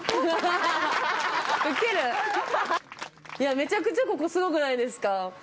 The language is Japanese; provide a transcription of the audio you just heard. めちゃくちゃここ、すごくないですか。